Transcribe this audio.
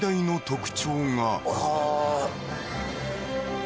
「特徴が」？